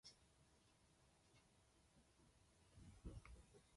Expecting a short visit to England, his wife remained in New York.